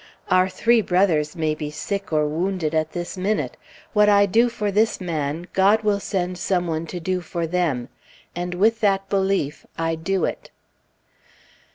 Our three brothers may be sick or wounded at this minute; what I do for this man, God will send some one to do for them, and with that belief I do it....